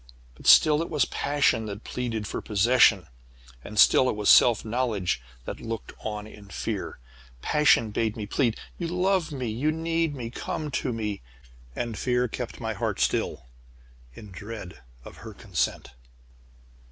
But still it was passion that pleaded for possession, and still it was self knowledge that looked on in fear. "Passion bade me plead: 'You love me! You need me! Come to me!' And fear kept my heart still, in dread of her consent.